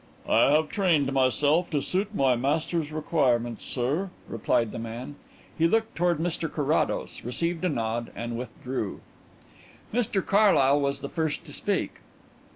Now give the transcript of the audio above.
"I have trained myself to suit my master's requirements, sir," replied the man. He looked towards Mr Carrados, received a nod and withdrew. Mr Carlyle was the first to speak.